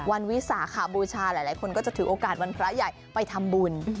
วิสาขบูชาหลายคนก็จะถือโอกาสวันพระใหญ่ไปทำบุญ